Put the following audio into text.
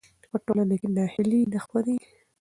په ټولنه کې ناهیلي نه خپرېږي.